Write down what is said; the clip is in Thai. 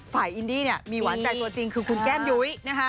อินดี้มีหวานใจตัวจริงคือคุณแก้มยุ้ย